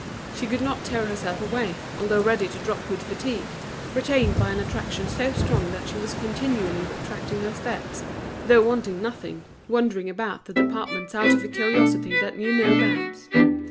She could not tear herself away, although ready to drop with fatigue, retained by an attraction so strong that she was continually retracing her steps, though wanting nothing, wandering about the departments out of a curiosity that knew no bounds.